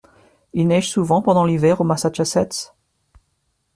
Il neige souvent pendant l’hiver au Massachusetts ?